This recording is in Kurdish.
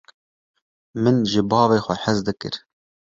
Min ji bavê xwe hez dikir.